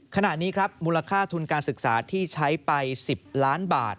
ขณะนี้ครับมูลค่าทุนการศึกษาที่ใช้ไป๑๐ล้านบาท